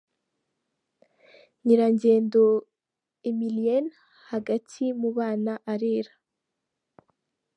Nyirangendo Emilienne hagati mu bana arera .